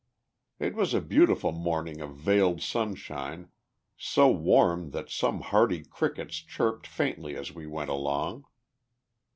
It was a beautiful morning of veiled sunshine, so warm that some hardy crickets chirped faintly as we went along.